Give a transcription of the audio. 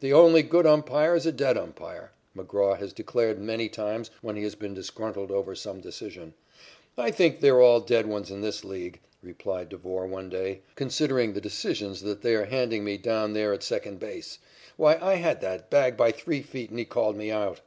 "The only good umpire is a dead umpire," McGraw has declared many times when he has been disgruntled over some decision. "I think they're all dead ones in this League," replied Devore one day, "considering the decisions that they are handing me down there at second base. Why, I had that bag by three feet and he called me out."